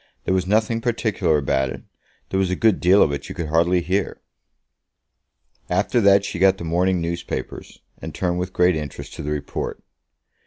There was nothing particular about it. There was a good deal of it you could hardly hear." After that she got the morning newspapers, and turned with great interest to the report.